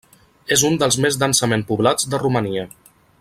És un dels més densament poblats de Romania.